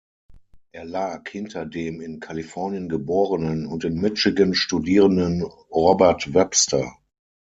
Er lag hinter dem in Kalifornien geborenen und in Michigan studierenden Robert Webster.